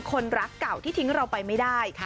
คนรักเก่าที่ทิ้งเราไปไม่ได้